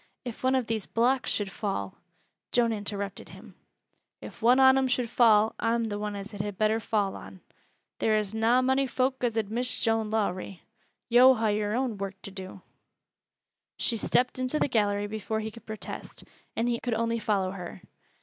"If one of these blocks should fall " Joan interrupted him: "If one on 'em should fall, I'm th' one as it had better fall on. There is na mony foak as ud miss Joan Lowrie. Yo' ha' work o' yore own to do." She stepped into the gallery before he could protest, and he could only follow her.